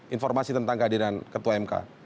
informasi tentang kehadiran ketua mk